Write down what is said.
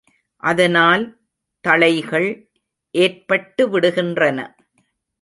அதனால் தளைகள் ஏற்பட்டுவிடுகின்றன.